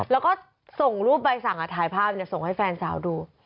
แล้วก็ส่งรูปใบสั่งถ่ายภาพส่งให้แฟนสาวดู